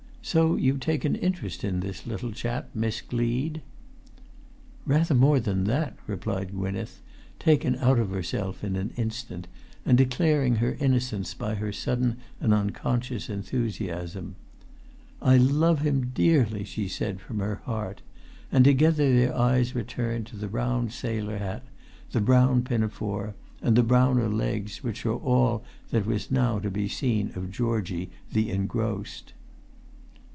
"So you take an interest in this little chap, Miss Gleed?" "Rather more than that," replied Gwynneth, taken out of herself in an instant, and declaring her innocence by her sudden and unconscious enthusiasm. "I love him dearly," she said from her heart: and together their eyes returned to the round sailor hat, the brown pinafore and the browner legs which were all that was now to be seen of Georgie the engrossed.